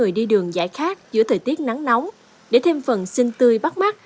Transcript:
trên các con đường giải khát giữa thời tiết nắng nóng để thêm phần xinh tươi bắt mắt